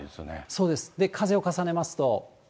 そうです、風を重ねますと。